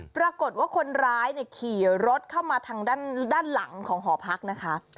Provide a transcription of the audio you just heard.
ปรากฏว่าคนร้ายขี่รถเข้ามาทางด้านหลังของหอพักนะคะ